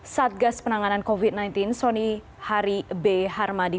satgas penanganan covid sembilan belas soni hari b harmadi